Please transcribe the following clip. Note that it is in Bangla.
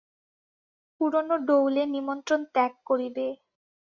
পুরানো ডৌলে নিমন্ত্রণ ত্যাগ করিবে।